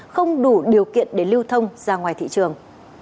không đủ điều kiện để lưu thông ra ngoài thị trường